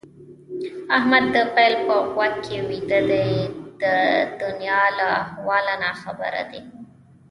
احمد د پيل په غوږ کې ويده دی؛ د دونيا له احواله ناخبره دي.